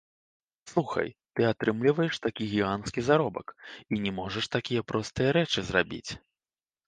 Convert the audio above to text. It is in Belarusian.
Слухай, ты атрымліваеш такі гіганцкі заробак і не можаш такія простыя рэчы зрабіць!